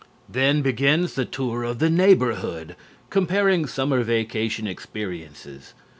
Then begins the tour of the neighborhood, comparing summer vacation experiences.